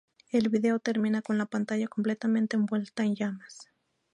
El vídeo termina con la pantalla completamente envuelta en llamas.